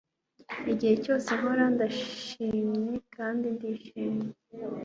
igihe cyose nkora, ndishimye kandi ndishimye